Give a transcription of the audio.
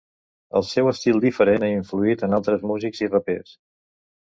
El seu estil diferent ha influït en altres músics i rapers.